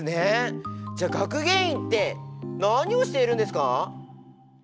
じゃあ学芸員って何をしているんですか？